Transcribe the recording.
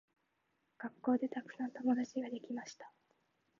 学校でたくさん友達ができました。